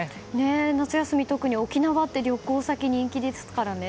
夏休み、特に沖縄って旅行先で人気ですからね。